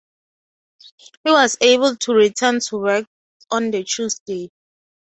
He was able to return to work on the Tuesday.